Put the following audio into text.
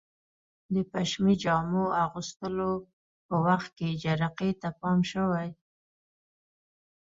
د پشمي جامو اغوستلو په وخت کې جرقې ته پام شوی؟